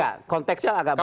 nah konteksnya agak berbeda